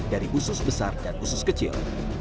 dari usus besar dan usus kecil